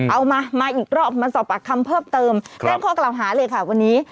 เอามามาอีกรอบมาสอบปากคำเพิ่มเติมแจ้งข้อกล่าวหาเลยค่ะวันนี้